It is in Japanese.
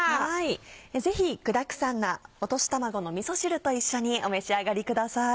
ぜひ具だくさんな「落とし卵のみそ汁」と一緒にお召し上がりください。